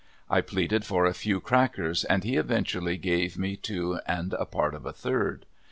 I pleaded for a few crackers and he eventually gave me two and a part of a third.